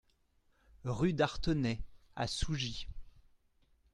Rue d'Artenay à Sougy